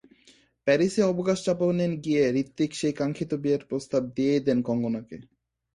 প্যারিসে অবকাশযাপনে গিয়ে হৃতিক সেই কাঙ্ক্ষিত বিয়ের প্রস্তাব দিয়েই দেন কঙ্গনাকে।